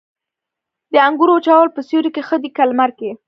د انګورو وچول په سیوري کې ښه دي که لمر کې؟